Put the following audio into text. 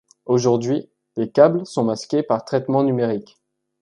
Aujourd’hui, les câbles sont masqués par traitement numérique.